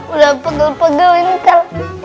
udah pegel pegelin kal